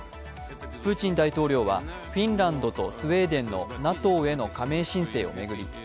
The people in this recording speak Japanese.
プーチン大統領はフィンランドとスウェーデンのＮＡＴＯへの加盟申請を巡り